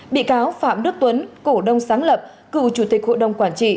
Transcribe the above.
bị cáo phạm đức tuấn cổ đông sáng lập cựu chủ tịch hội đồng quản trị